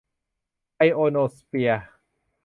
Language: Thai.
ไอโอโนสเฟียร์